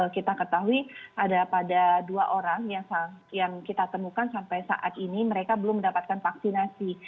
kita ketahui ada pada dua orang yang kita temukan sampai saat ini mereka belum mendapatkan vaksinasi